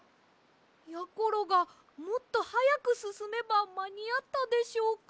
やころがもっとはやくすすめばまにあったでしょうか？